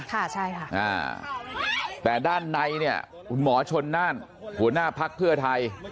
ค่ะใช่ค่ะอ่าแต่ด้านในเนี่ยคุณหมอชนน่านหัวหน้าพักเพื่อไทย